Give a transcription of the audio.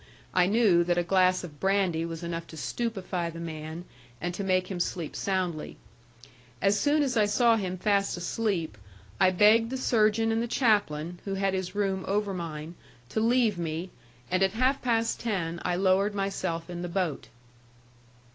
I knew that a glass of brandy was enough to stupefy the man, and to make him sleep soundly. As soon as I saw him fast asleep, I begged the surgeon and the chaplain, who had his room over mine, to leave me, and at half past ten I lowered myself in the boat.